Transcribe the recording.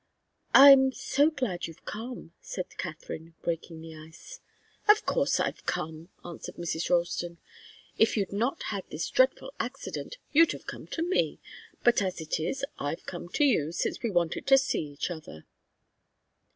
"I'm so glad you've come," said Katharine, breaking the ice. "Of course I've come!" answered Mrs. Ralston. "If you'd not had this dreadful accident, you'd have come to me; but as it is, I've come to you, since we wanted to see each other."